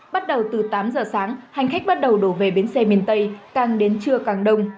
bắt đầu từ tám giờ sáng hành khách bắt đầu đổ về biến xe miền tây càng đến trưa càng đông